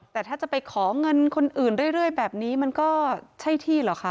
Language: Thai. แต่ถ้าจะไปขอเงินคนอื่นเรื่อยแบบนี้มันก็ใช่ที่เหรอคะ